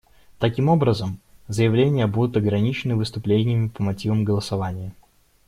Таким образом, заявления будут ограничены выступлениями по мотивам голосования.